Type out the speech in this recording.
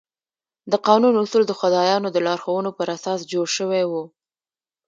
د قانون اصول د خدایانو د لارښوونو پر اساس جوړ شوي وو.